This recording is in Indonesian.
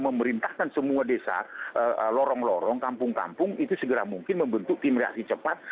memerintahkan semua desa lorong lorong kampung kampung itu segera mungkin membentuk tim reaksi cepat